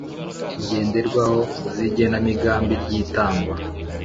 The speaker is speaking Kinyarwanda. Ngenderwaho z igenamigambi ry itangwa